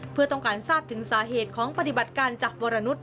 เพื่อต้องการทราบถึงสาเหตุของปฏิบัติการจากวรนุษย